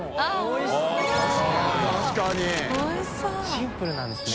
シンプルなんですね。